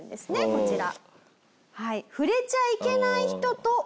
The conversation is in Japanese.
こちら。